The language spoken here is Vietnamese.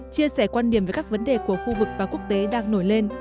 chia sẻ quan điểm về các vấn đề của khu vực và quốc tế đang nổi lên